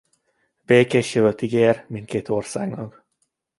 Békés jövőt ígér mindkét országnak.